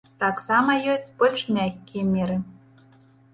Таксама ёсць больш мяккія меры.